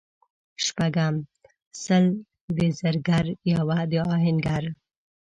شپږم:سل د زرګر یوه د اهنګر